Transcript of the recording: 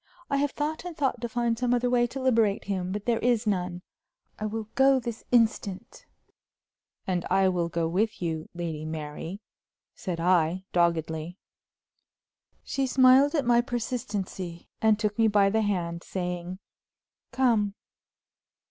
I have thought and thought to find some other way to liberate him, but there is none; I will go this instant." "And I will go with you, Lady Mary," said I, doggedly. She smiled at my persistency, and took me by the hand, saying, "Come!"